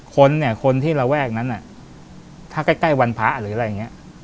คนเนี่ยคนที่ระแวกนั้นถ้าใกล้วันพระหรืออะไรอย่างนี้